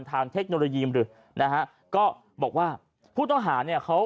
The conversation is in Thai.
ทางเทคโนโลยีมนะฮะก็บอกว่าผู้ต้องหาเนี่ย